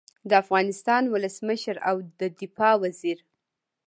د افغانستان ولسمشر او د دفاع وزیر